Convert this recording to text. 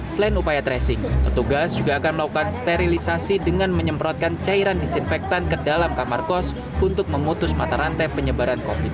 selain upaya tracing petugas juga akan melakukan sterilisasi dengan menyemprotkan cairan disinfektan ke dalam kamar kos untuk memutus mata rantai penyebaran covid sembilan belas